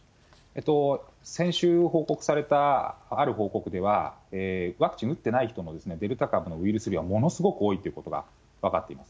先週報告されたある報告では、ワクチン打ってない人も、デルタ株のウイルス量はものすごく多いということが分かっています。